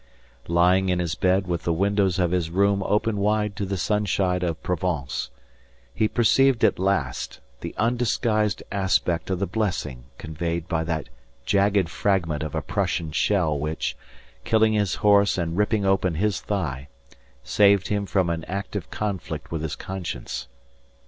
Lying in his bed with the windows of his room open wide to the sunshine of Provence, he perceived at last the undisguised aspect of the blessing conveyed by that jagged fragment of a Prussian shell which, killing his horse and ripping open his thigh, saved him from an active conflict with his conscience.